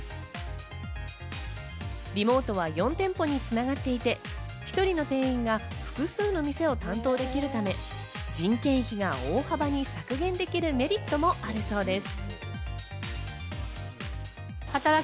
リモートは４店舗に繋がっていて、１人の店員が複数の店を担当できるため、人件費が大幅に削減できるメリットもあるそうです。